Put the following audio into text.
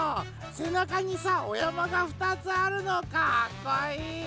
せなかにさおやまがふたつあるのかっこいい。